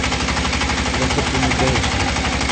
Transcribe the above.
لم تبدو مندهشا.